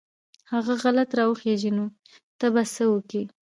هغه غلط راوخېژي نو ته به څه وکې.